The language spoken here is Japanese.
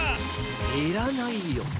いらないよ。